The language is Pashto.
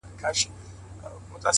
د زنگي لالا واده دئ، غول باسي ننه باسي.